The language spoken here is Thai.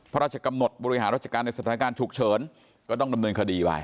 พระราชกำหนดบริหารราชการในสถานการณ์ฉุกเฉินก็ต้องดำเนินคดีไป